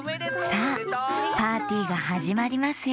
さあパーティーがはじまりますよ